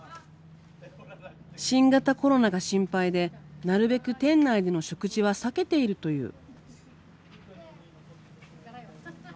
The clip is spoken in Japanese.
新型コロナが心配でなるべく店内での食事は避けているという。